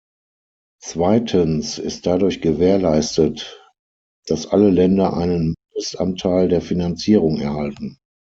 Zweitens ist dadurch gewährleistet, dass alle Länder einen Mindestanteil der Finanzierung erhalten.